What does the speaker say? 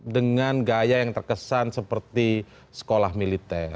dengan gaya yang terkesan seperti sekolah militer